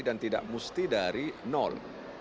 dan tidak mesti dari nol